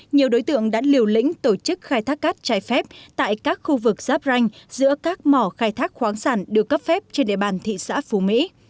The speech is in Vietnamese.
nhiều đối tượng đã liều lĩnh tổ chức khai thác cát trái phép tại các khu vực giáp ranh giữa các mỏ khai thác khoáng sản được cấp phép trên địa bàn thị xã phú mỹ